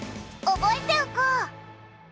覚えておこう！